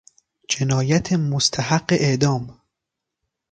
جنایت مستحق اعدام